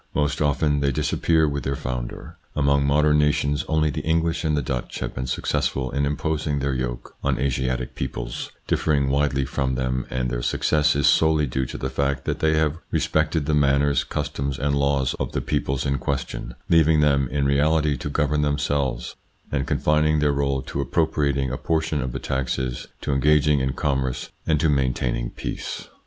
Most often they disappear with their founder. Among modern nations, only the English and the Dutch have been successful in imposing their yoke on Asiatic peoples differing widely from them, and their success is solely due to the fact that they have respected the manners, customs, and laws of the peoples in question, leaving them in reality to govern themselves, and confining their role to appropriating a portion of the taxes, to engaging in commerce, and to maintaining peace.